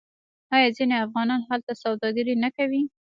آیا ځینې افغانان هلته سوداګري نه کوي؟